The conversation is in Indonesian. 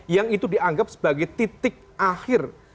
yang itu dianggap sebagai titik akhir